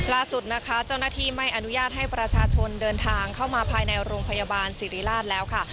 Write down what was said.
ล่าสุดนะคะเจ้าหน้าที่ไม่อนุญาตให้ประชาชนเดินทางเข้ามาภายในโรงพยาบาลสิริราชแล้วค่ะ